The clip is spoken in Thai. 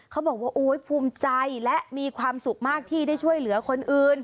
เขาบอกว่าโอ๊ยภูมิใจและมีความสุขมากที่ได้ช่วยเหลือคนอื่น